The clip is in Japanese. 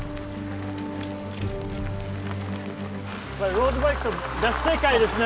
ロードバイクと別世界ですね。